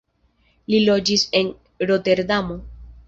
Li loĝis en Roterdamo.